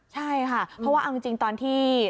ใช่ค่ะเพราะว่าเอาจริงตอนที่